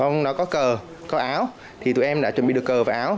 nó có cờ có áo thì tụi em đã chuẩn bị được cờ và áo